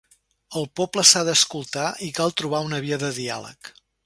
El poble s’ha d’escoltar i cal trobar una via de diàleg.